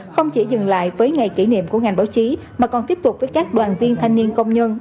không chỉ dừng lại với ngày kỷ niệm của ngành báo chí mà còn tiếp tục với các đoàn viên thanh niên công nhân